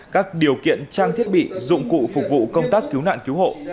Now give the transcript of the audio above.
các điều kiện trang thiết bị dụng cụ phục vụ công tác cứu nạn cứu hộ